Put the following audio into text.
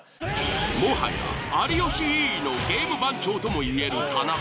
もはや「有吉ぃぃｅｅｅｅｅ！」のゲーム番長ともいえる田中。